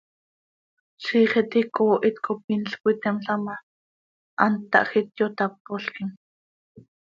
Ziix iti icoohit cop inl cöiteemla ma, hant tahjiit, yotápolquim.